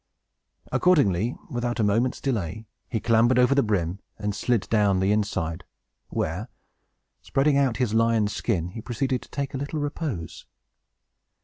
Accordingly, without a moment's delay, he clambered over the brim, and slid down on the inside, where, spreading out his lion's skin, he proceeded to take a little repose.